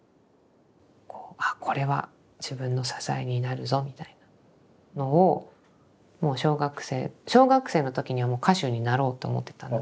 「あこれは自分の支えになるぞ」みたいなのをもう小学生小学生の時にはもう歌手になろうと思ってたので。